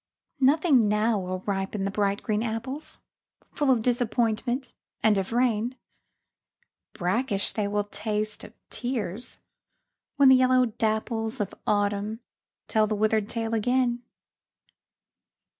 Nothing now will ripen the bright green apples, Full of disappointment and of rain, Brackish they will taste, of tears, when the yellow dapples Of Autumn tell the withered tale again.